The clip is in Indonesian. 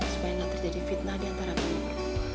supaya gak terjadi fitnah diantara kita